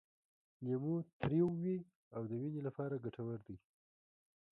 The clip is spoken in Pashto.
لیمو تریو وي او د وینې لپاره ګټور دی.